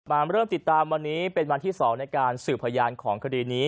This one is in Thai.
มาเริ่มติดตามวันนี้เป็นวันที่๒ในการสืบพยานของคดีนี้